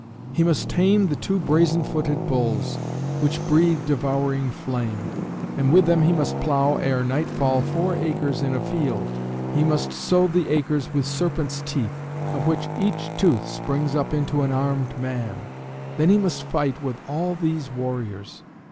He must tame the two brazen footed bulls, which breathe devouring flame, and with them he must plow ere nightfall four acres in a field. He must sow the acres with serpents' teeth, of which each tooth springs up into an armed man. Then he must fight with all these warriors.